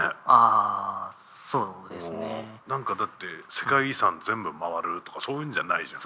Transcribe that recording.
あそうですね。何かだって世界遺産全部回るとかそういうんじゃないじゃん。